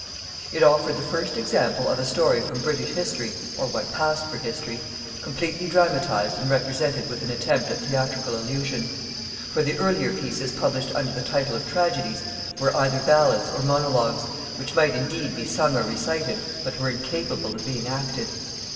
It offered the first example of a story from British history, or what passed for history, completely dramatized and represented with an attempt at theatrical illusion; for the earlier pieces published under the title of tragedies were either ballads or monologues, which might indeed be sung or recited, but were incapable of being acted.